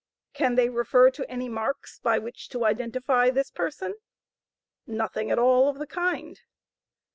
Can they refer to any marks by which to identify this person? Nothing at all of the kind.